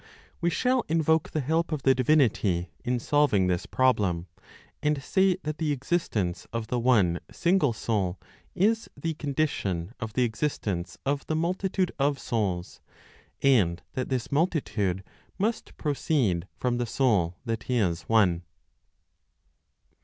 We shall invoke the help of the divinity (in solving this problem); and say that the existence of the one single Soul is the condition of the existence of the multitude of souls, and that this multitude must proceed from the Soul that is one.